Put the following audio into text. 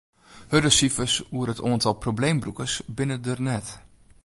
Hurde sifers oer it oantal probleembrûkers binne der net.